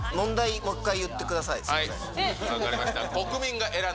もう一回言ってください、すみません。